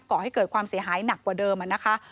ก่อให้เกิดความเสียหายหนักกว่าเดิมนะคะ